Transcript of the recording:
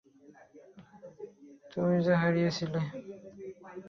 যা তুমি হারিয়েছিলে।